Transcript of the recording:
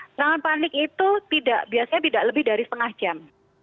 serangan panik itu tidak biasanya lebih dari setengah jam